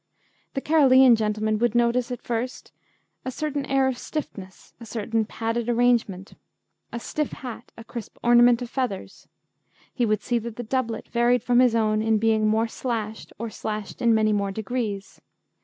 The Carolean gentleman would notice at first a certain air of stiffness, a certain padded arrangement, a stiff hat, a crisp ornament of feathers. He would see that the doublet varied from his own in being more slashed, or slashed in many more degrees.